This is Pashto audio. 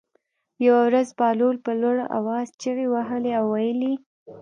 یوه ورځ بهلول په لوړ آواز چغې وهلې او ویلې یې.